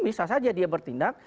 bisa saja dia bertindak